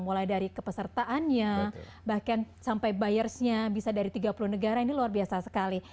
mulai dari kepesertaannya bahkan sampai buyersnya bisa dari tiga puluh negara ini luar biasa sekali